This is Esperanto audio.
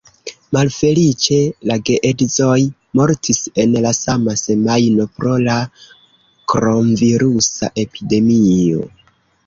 Malfeliĉe, la geedzoj mortis en la sama semajno pro la kronvirusa epidemio.